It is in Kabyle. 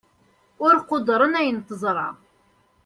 ur quddren ayen teẓṛa